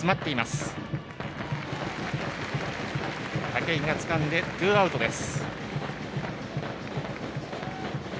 武井がつかんでツーアウトです。